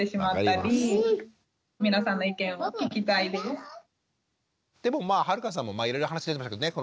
その反面でもまあ春香さんもいろいろ話出てましたけどね